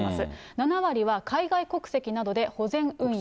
７割は海外国籍などで保全運用。